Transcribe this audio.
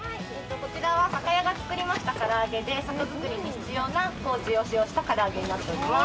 こちらは酒屋が作りました唐揚げで、酒造りに必要なこうじを使用した唐揚げになってます。